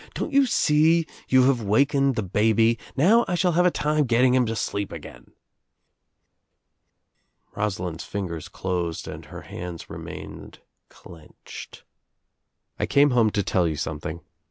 "Don't you see you have wakened chi baby? Now I shall have a time getting him to sleep again." Rosalind's fingers closed and her hands remained clenched. "I came home to tell you something.